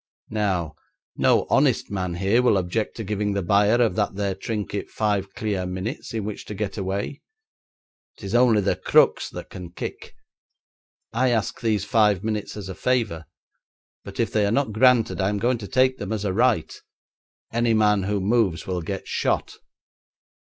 Now, no honest man here will object to giving the buyer of that there trinket five clear minutes in which to get away. It's only the "crooks" that can kick. I ask these five minutes as a favour, but if they are not granted I am going to take them as a right. Any man who moves will get shot.'